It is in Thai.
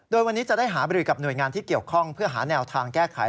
โดยวันนี้จะได้หาบริกับหน่วยงานที่เกี่ยวข้องเพื่อหาแนวทางแก้ไข